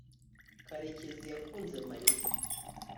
karekezi yakunze mariya